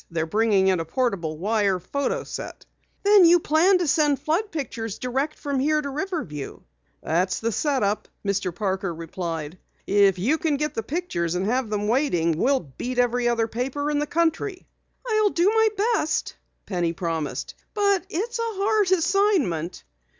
They're bringing in a portable wire photo set." "Then you plan to send flood pictures direct from here to Riverview?" "That's the set up," Mr. Parker replied. "If you can get the pictures and have them waiting, we'll beat every other paper in the country!" "I'll do my best," Penny promised. "But it's a hard assignment."